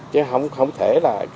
chứ không thể là